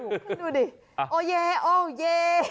ดูดิโอเยโอเย